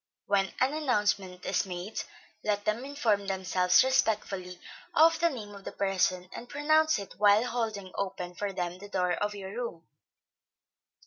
When an announcement is made, let them inform themselves respectfully of the name of the person, and pronounce it while holding open for them the door of your room.